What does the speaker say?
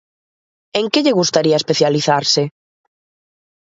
En que lle gustaría especializarse?